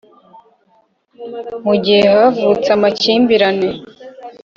Mu gihe havutse amakimbirane